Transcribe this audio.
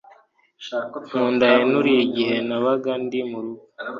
nkunda Henry igihe nabaga ndi murugo